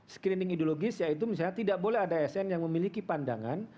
screening ideologis yaitu misalnya tidak boleh ada asn yang memiliki pandangan